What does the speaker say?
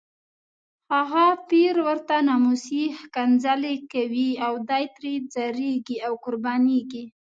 هغه پیر ورته ناموسي ښکنځلې کوي او دی ترې ځاریږي او قربانیږي.